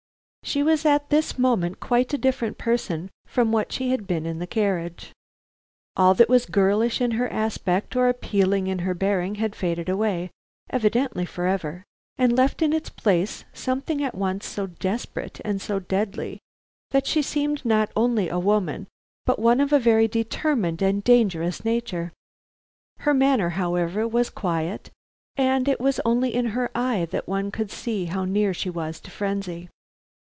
She was at this moment quite a different person from what she had been in the carriage. All that was girlish in her aspect or appealing in her bearing had faded away, evidently forever, and left in its place something at once so desperate and so deadly, that she seemed not only a woman but one of a very determined and dangerous nature. Her manner, however, was quiet, and it was only in her eye that one could see how near she was to frenzy.